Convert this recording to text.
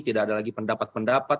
tidak ada lagi pendapat pendapat